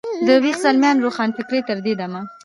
د ویښ زلمیانو روښانفکرۍ تر دې دمه.